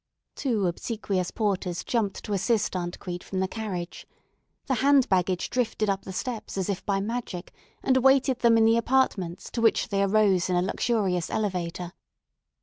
Two obsequious porters jumped to assist Aunt Crete from the carriage. The hand baggage drifted up the steps as if by magic, and awaited them in the apartments to which they arose in a luxurious elevator.